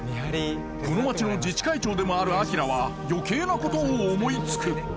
この町の自治会長でもある明は余計なことを思いつく！